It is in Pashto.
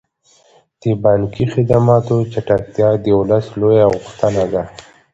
د بانکي خدماتو چټکتیا د ولس لویه غوښتنه ده.